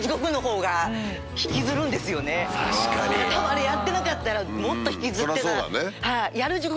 あれやってなかったらもっと引きずってた。